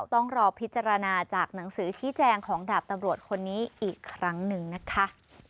ต้องรอพิจารณาจากหนังสือชี้แจงของดาบตำรวจคนนี้อีกครั้งหนึ่งนะคะ